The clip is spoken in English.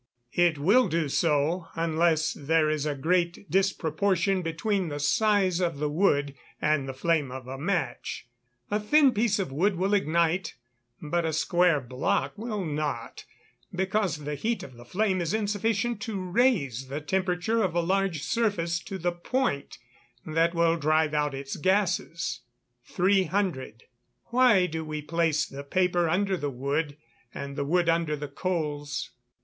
_ It will do so, unless there is a great disproportion between the size of the wood and the flame of a match. A thin piece of wood will ignite, but a square block will not, because the heat of the flame is insufficient to raise the temperature of a large surface to the point that will drive out its gases. 300. _Why do we place the paper under the wood, and the wood under the coals?